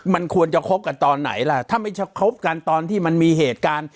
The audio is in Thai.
มันควรจะคบกันตอนไหนล่ะถ้าไม่คบกันตอนที่มันมีเหตุการณ์